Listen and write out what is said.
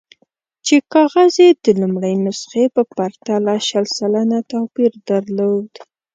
چې کاغذ یې د لومړۍ نسخې په پرتله شل سلنه توپیر درلود.